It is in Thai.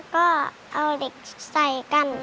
ก็เอาเด็กใส่กัน